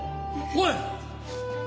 おい！